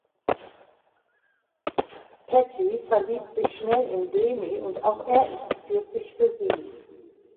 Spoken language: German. Patti verliebt sich schnell in Demi und auch er interessiert sich für sie.